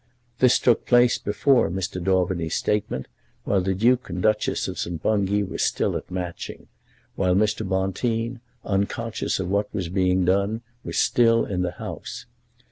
This took place before Mr. Daubeny's statement, while the Duke and Duchess of St. Bungay were still at Matching, while Mr. Bonteen, unconscious of what was being done, was still in the House.